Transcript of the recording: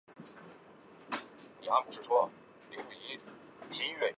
丹尼斯海峡是连结波罗的海和北海之间的诸海峡之总称。